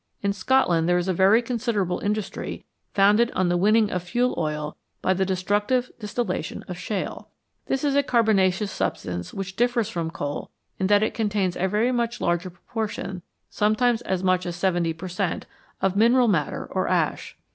In Scotland there is a very considerable industry founded on the winning of fuel oil by the destructive distillation of shale. This is a carbonaceous substance which differs from coal in that it contains a very much larger proportion, sometimes as much as 70 per cent., of mineral matter or ash.